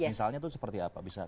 misalnya itu seperti apa